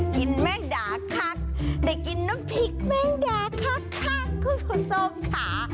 แม่งดาคักได้กินน้ำพริกแม่งดาคักคุณผู้ชมค่ะ